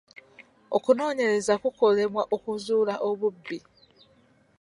Okunoonyereza kukolebwa okuzuula obubbi.